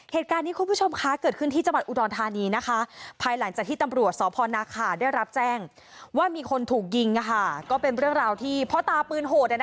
เหตุการณ์นี้คุณผู้ชมคะเกิดขึ้นที่จังหวัดอุดรธานีนะคะภายหลังจากที่ตำรวจสพนาคาได้รับแจ้งว่ามีคนถูกยิงก็เป็นเรื่องราวที่พ่อตาปืนโหด